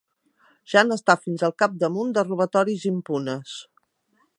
Ja n'està fins al capdamunt, de robatoris impunes.